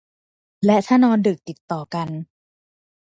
และถ้านอนดึกติดต่อกัน